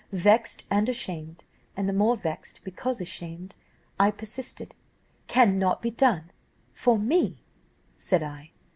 Vexed and ashamed, and the more vexed because ashamed, I persisted. 'Cannot be done for me?' said I.